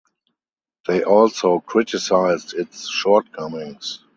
They also criticised its shortcomings.